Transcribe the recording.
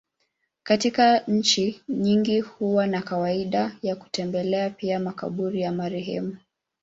Katika nchi nyingi huwa na kawaida ya kutembelea pia makaburi ya marehemu.